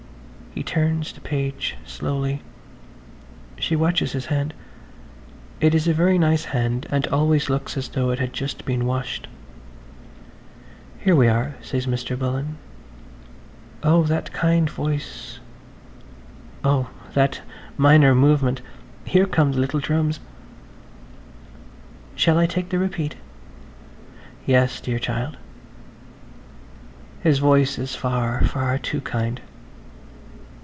He turns the page slowly. She watches his hand–it is a very nice hand and always looks as though it had just been washed. "Here we are," says Mr. Bullen. Oh, that kind voice–Oh, that minor movement. Here come the little drums. ... "Shall I take the repeat?" "Yes, dear child." His voice is far, far too kind.